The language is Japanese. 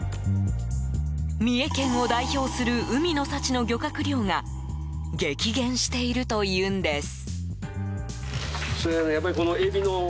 三重県を代表する海の幸の漁獲量が激減しているというんです。